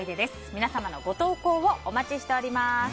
皆さんのご投稿をお待ちしております。